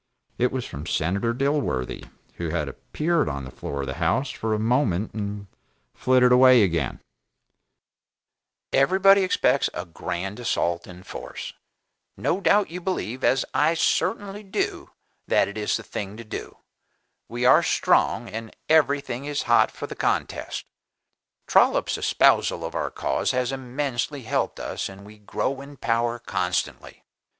It was from Senator Dilworthy, who had appeared upon the floor of the House for a moment and flitted away again: "Everybody expects a grand assault in force; no doubt you believe, as I certainly do, that it is the thing to do; we are strong, and everything is hot for the contest. Trollop's espousal of our cause has immensely helped us and we grow in power constantly.